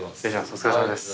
お疲れさまです。